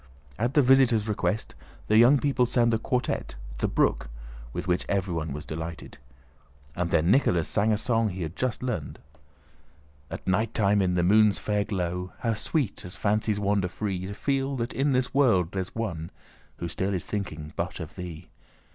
At the visitors' request the young people sang the quartette, "The Brook," with which everyone was delighted. Then Nicholas sang a song he had just learned: At nighttime in the moon's fair glow How sweet, as fancies wander free, To feel that in this world there's one Who still is thinking but of thee!